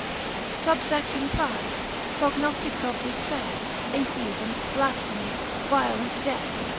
SUBSECT. V.—_Prognostics of Despair, Atheism, Blasphemy, violent death, &c.